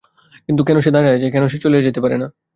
কিন্তু কেন সে দাড়াইয়া আছে, কেন সে চলিয়া যাইতে পারে না?